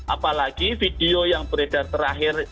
apalagi video yang beredar terakhir